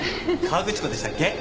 河口湖でしたっけ？